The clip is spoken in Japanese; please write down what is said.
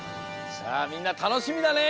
さあみんなたのしみだね。